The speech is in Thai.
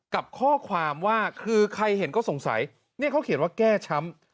กับข้อความว่าคือใครเห็นก็สงสัยเนี่ยเขาเขียนว่าแก้ช้ำ